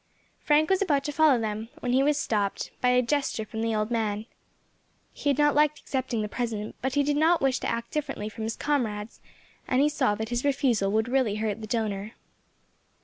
Frank was about to follow them when he was stopped by a gesture from the old man. He had not liked accepting the present, but he did not wish to act differently from his comrades, and he saw that his refusal would really hurt the donor.